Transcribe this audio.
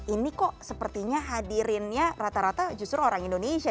ini kok sepertinya hadirinnya rata rata justru orang indonesia